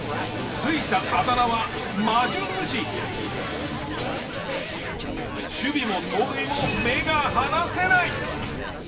付いたあだ名は守備も走塁も目が離せない！